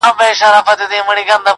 نور کارونه هم لرم درڅخه ولاړم.!